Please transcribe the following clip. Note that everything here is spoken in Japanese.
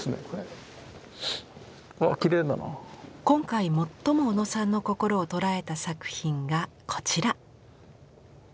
今回最も小野さんの心を捉えた作品がこちら。